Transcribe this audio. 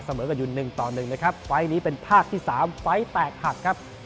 เสมอกับยุนหนึ่งต่อหนึ่งนะครับไฟล์ทนี้เป็นภาคที่สามไฟล์ทแตกหักครับ